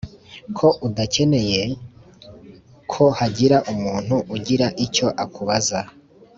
ko udakeneye ko hagira umuntu ugira icyo akubaza =